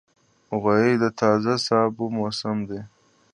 غویی د تازه سابو موسم دی.